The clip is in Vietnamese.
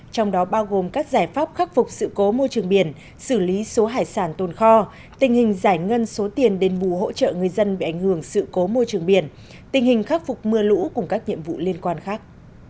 trong đó bao gồm các giải pháp khắc phục sự cố môi trường biển xử lý số hải sản tồn kho tình hình giải ngân số tiền đền bù hỗ trợ người dân bị ảnh hưởng sự cố môi trường biển tình hình khắc phục mưa lũ cùng các nhiệm vụ liên quan khác